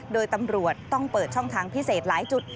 โดยตำรวจต้องเปิดช่องทางพิเศษหลายจุด